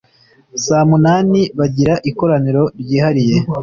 Saa munani bagira ikoraniro ryihariye